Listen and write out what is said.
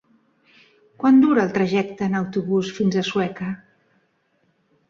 Quant dura el trajecte en autobús fins a Sueca?